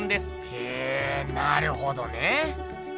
へぇなるほどね。